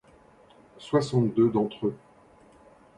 Soixante-deux d’entre eux.